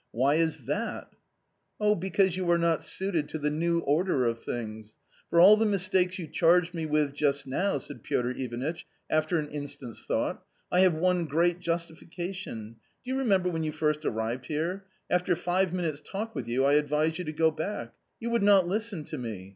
Why is that ?" "Oh, because you are not suited to the new order of things. For all the mistakes you charged me with just now," said Piotr Ivanitch, after an instant's thought, " I have one great justification ; do you remember when you first arrived here, after five minutes' talk with you, I advised you to go back ? You would not listen to me.